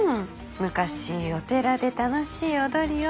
昔お寺で楽しい踊りを。